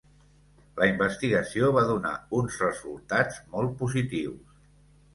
La investigació va donar uns resultats molt positius.